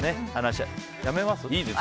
やめますか？